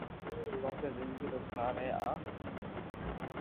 ڪونڪھ زندگي رو سار ھي آ